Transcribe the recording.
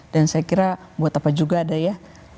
dan saya kira buat apa juga ada ya